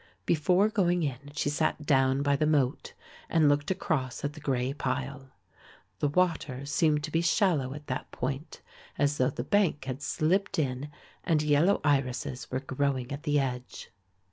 Before going in, she sat down by the moat and looked across at the grey pile. The water seemed to be shallow at that point as though the bank had slipped in and yellow irises were growing at the edge.